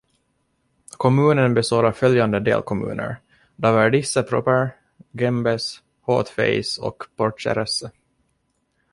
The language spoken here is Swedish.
Kommunen består av följande delkommuner: Daverdisse proper, Gembes, Haut-Fays och Porcheresse.